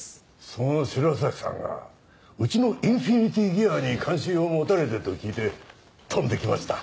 その白崎さんがうちのインフィニティギアに関心を持たれていると聞いて飛んできました。